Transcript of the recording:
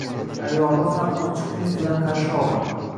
Ayoli ham ochiq yuz bilan qarshi oldi